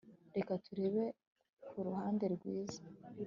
Reka turebe kuruhande rwiza